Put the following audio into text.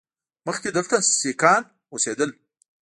مخکې دلته سیکان اوسېدل